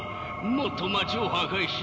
もっと街を破壊しよう。